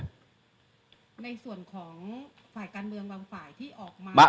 ในส่วนของฝ่ายการเมืองบางฝ่ายที่ออกมา